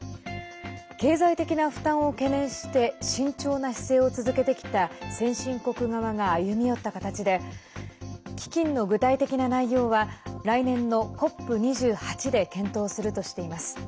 経済的な負担を懸念して慎重な姿勢を続けてきた先進国側が歩み寄った形で基金の具体的な内容は来年のＣＯＰ２８で検討するとしています。